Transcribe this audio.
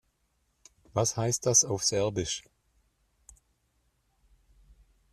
Was heißt das auf Serbisch?